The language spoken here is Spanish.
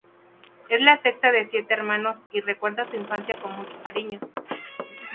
Es la sexta de siete hermanos y recuerda su infancia con mucho cariño.